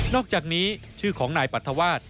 อกจากนี้ชื่อของนายปรัฐวาส